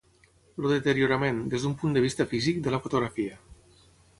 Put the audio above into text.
El deteriorament, des d'un punt de vista físic, de la fotografia.